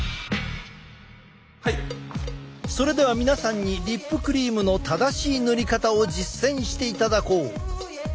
それでは皆さんにリップクリームの正しい塗り方を実践していただこう！